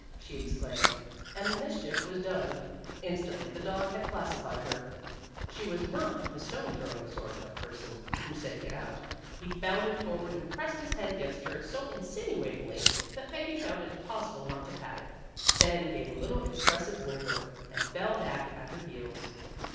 she exclaimed, and the mischief was done. Instantly the dog had classified her. She was not the stone throwing sort of person, who said "get out." He bounded forward and pressed his head against her so insinuatingly that Peggy found it impossible not to pat it, then gave a little expressive whimper, and fell back at her heels.